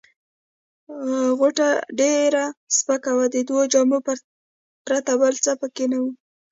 غوټه ډېره سپکه وه، د دوو جامو پرته بل څه پکښې نه وه.